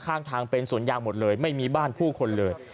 ข้างทางเป็นสวนยางหมดเลยไม่มีบ้านผู้คนเลย